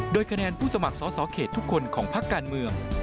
โดยคะแนนผู้สมัครสอสอเขตทุกคนของพักการเมือง